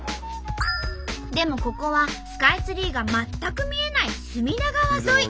でもここはスカイツリーが全く見えない隅田川沿い。